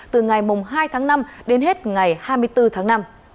từ ngày hai tháng năm đến hết ngày hai mươi bốn tháng năm